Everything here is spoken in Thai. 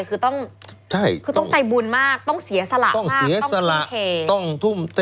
คือต้องใจบุญมากต้องเสียสละมากต้องทุ่มเท